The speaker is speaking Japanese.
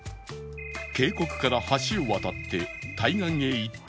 渓谷から橋を渡って対岸へ行ってみると